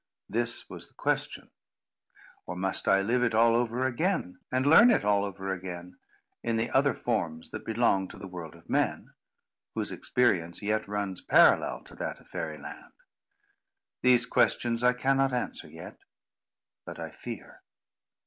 This was the question. Or must I live it all over again, and learn it all over again, in the other forms that belong to the world of men, whose experience yet runs parallel to that of Fairy Land? These questions I cannot answer yet. But I fear.